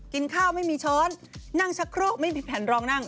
กินข้าวไม่มีช้อนนั่งชักโครกไม่มีแผนรองนั่ง